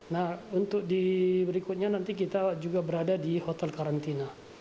nah untuk di berikutnya nanti kita juga berada di hotel karantina